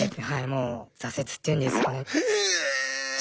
もう挫折っていうんですかね。